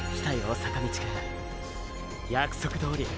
坂道くん。約束どおり。